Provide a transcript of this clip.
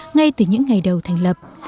ngay từ những ngày đầu thành lập